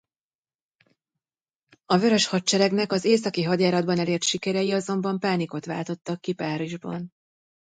A Vörös Hadseregnek az északi hadjáratban elért sikerei azonban pánikot váltottak ki Párizsban.